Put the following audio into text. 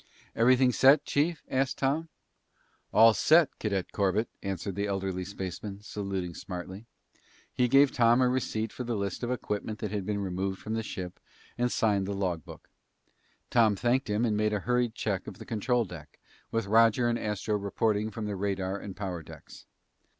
"Everything set, chief?" asked Tom. "All set, Cadet Corbett," reported the elderly spaceman, saluting smartly. He gave Tom a receipt for the list of the equipment that had been removed from the ship and signed the logbook. Tom thanked him and made a hurried check of the control deck, with Roger and Astro reporting from the radar and power decks.